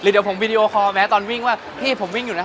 หรือเดี๋ยวผมวิดีโอคอมแท้ตอนวิ่งว่าพี่ฉันวิ่งอยู่นะคะ